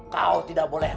kau tidak boleh